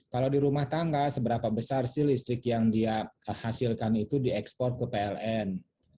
kalau di rumah tangga seberapa besar sih listrik yang dia hasilkan itu diekspor ke pln